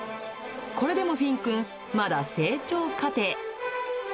これでもフィンくん、まだ成長過程。